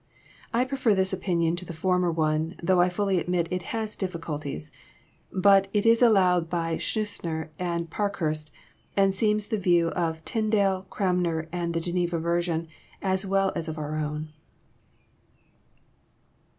I prefer this opinion to the former one, though I fblly admit it has difficulties. But it is allowed by Schleusner and Parkhurst, and seems the view of Tyndall, Cranmer, and Jie Geneva version, as well as of our own.